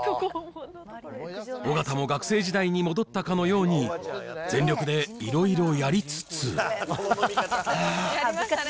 尾形も学生時代に戻ったかのように、全力でいろいろやりつつあぁっ。